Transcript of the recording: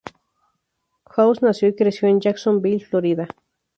House nació y creció en Jacksonville, Florida.